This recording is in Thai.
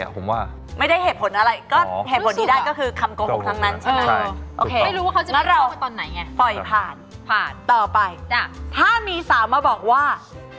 จะดีเหรออย่างนี้ก็เป็นลูกกดีกว่า